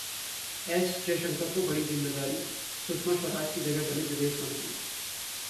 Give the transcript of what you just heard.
S. Jaishankar को बड़ी जिम्मेदारी, सुषमा स्वराज की जगह बने विदेश मंत्री